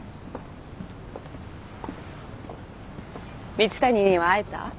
蜜谷には会えた？